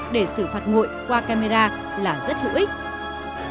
để sự phạt ngội qua camera là rất hữu ích